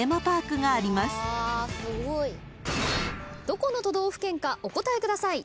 どこの都道府県かお答えください。